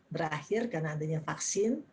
berakhir karena adanya vaksin